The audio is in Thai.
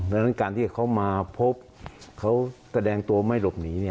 ดังนั้นการที่เขามาพบเขาแสดงตัวไม่หลบหนี